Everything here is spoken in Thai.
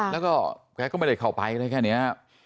แล้วก็แกก็ไม่ได้เข้าไปได้แค่นี้ครับ